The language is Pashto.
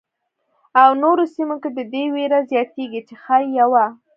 او نورو سیمو کې د دې وېره زیاتېږي چې ښايي یوه.